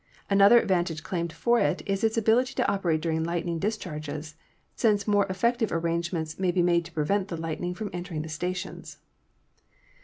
Another advantage claimed for it is its ability to operate during lightning discharges, since more effec tive arrangements may be made to prevent the lightning from entering the stations.